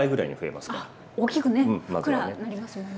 あっおっきくねふっくらなりますもんね。